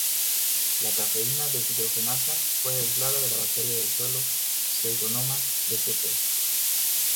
La cafeína deshidrogenasa fue aislada de la bacteria del suelo "Pseudomonas sp.